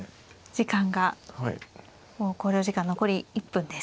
時間がもう考慮時間残り１分です。